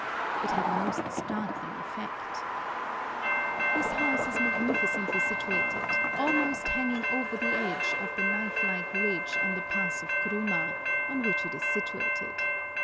It had a most startling effect. This house is magnificently situated, almost hanging over the edge of the knife like ridge of the pass of Kuruma, on which it is situated.